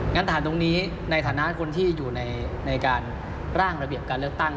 ฐานตรงนี้ในฐานะคนที่อยู่ในการร่างระเบียบการเลือกตั้ง